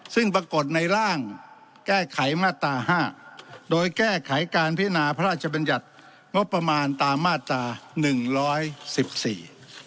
ซึ่งปรากฏในร่างแก้ไขมาตราห้าโดยแก้ไขการพินาพระราชบัญญัติงบประมาณตามมาตราหนึ่งร้อยสิบสี่